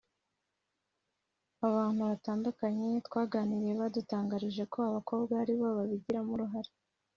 Abantu batandukanye twaganiriye badutangarije ko abakobwa ari bo babigiramo uruhare